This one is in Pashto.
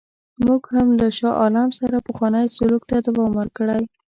موږ هم له شاه عالم سره پخوانی سلوک ته دوام ورکړی.